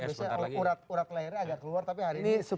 biasanya kalau urat urat lahirnya agak keluar tapi hari ini